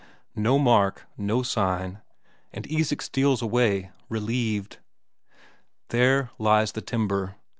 No mark, no sign, and Isak steals away relieved. There lies the timber.